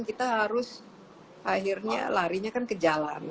kita harus akhirnya larinya kan ke jalan